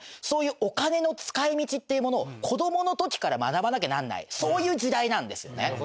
そういうお金の使い道っていうものを子どもの時から学ばなきゃなんないそういう時代なんですよね。